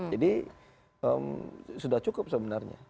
jadi sudah cukup sebenarnya